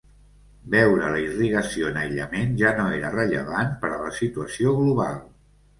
Veure la irrigació en aïllament ja no era rellevant per a la situació global.